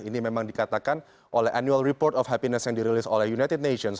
ini memang dikatakan oleh annual report of happiness yang dirilis oleh united nations